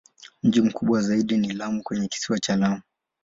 Mji mkubwa zaidi ni Lamu kwenye Kisiwa cha Lamu.